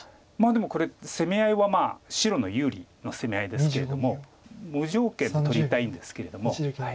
でもこれ攻め合いは白の有利の攻め合いですけれども無条件で取りたいんですけれども。